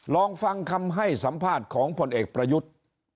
ลองฟังคำให้สัมภาษณ์ของพลเอกประยุทธ์